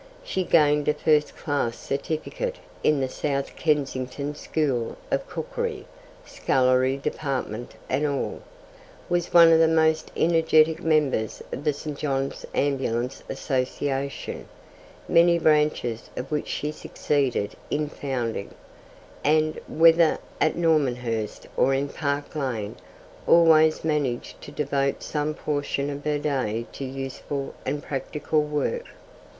She gained a first class certificate in the South Kensington School of Cookery, scullery department and all; was one of the most energetic members of the St. John's Ambulance Association, many branches of which she succeeded in founding; and, whether at Normanhurst or in Park Lane, always managed to devote some portion of her day to useful and practical work.